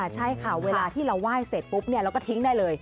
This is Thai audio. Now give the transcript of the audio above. ใช่ค่ะเวลาที่เราไหว้เสร็จปุ๊บเราก็ทิ้งได้เลย